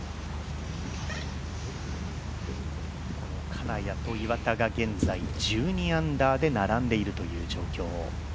金谷と岩田が現在１２アンダーで並んでいる状況。